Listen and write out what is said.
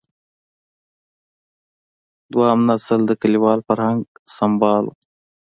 دویم نسل د کلیوال فرهنګ سمبال و.